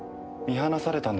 見放された？